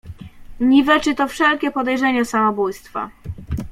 "Niweczy to wszelkie podejrzenie samobójstwa."